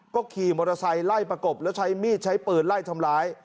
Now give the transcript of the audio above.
ก็ขี่มอเตอร์ไซค์ไล่ประกบแล้วใช้มีดใช้ปืนไล่ทำร้าย